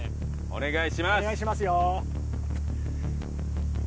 お願いしますよ。